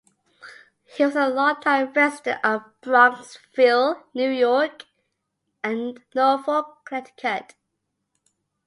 He was a long-time resident of Bronxville, New York, and Norfolk, Connecticut.